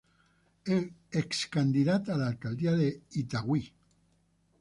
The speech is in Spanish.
Ex Candidata a la alcaldía de Itagüí.